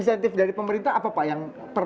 insentif dari pemerintah apa pak yang